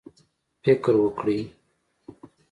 فکر وکړئ